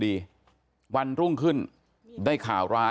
พี่สาวของผู้ตายอายุ๗๒ปี